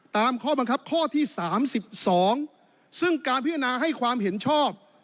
ตามข้อบังคับข้อที่๓๒ซึ่งการพิจารณาให้ความเห็นชอบ